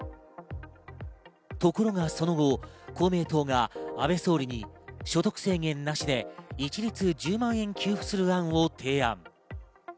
ところがその後、公明党が安倍総理に所得制限なしで一律１０万円給付する案を提案。